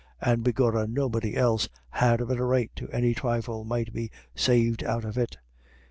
"And begorrah nobody else had a better right to any trifle might be saved out of it.